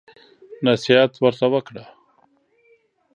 نصيحت ورته وکړه.